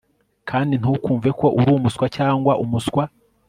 Kandi ntukumve ko uri umuswa cyangwa umuswa